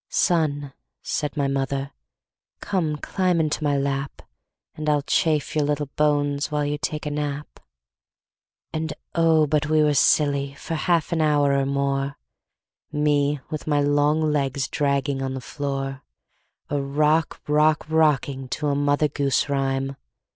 "Son," said my mother, "Come, climb into my lap, And I'll chafe your little bones While you take a nap." And, oh, but we were silly For half an hour or more, Me with my long legs Dragging on the floor, A rock rock rocking To a mother goose rhyme!